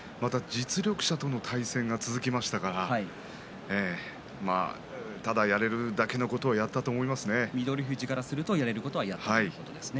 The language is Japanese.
実力者との対戦が続きましたからただ、やれるだけのことは翠富士からするとやれることはやったということですね。